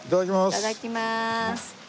いただきます。